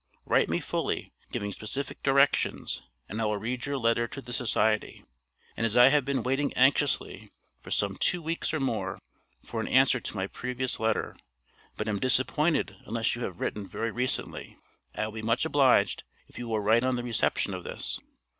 Write me fully, giving specific directions; and I will read your letter to the society. And as I have been waiting anxiously, for some two weeks or more, for an answer to my previous letter, but am disappointed unless you have written very recently, I will be much obliged if you will write on the reception of this.